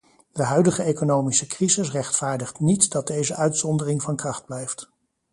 De huidige economische crisis rechtvaardigt niet dat deze uitzondering van kracht blijft.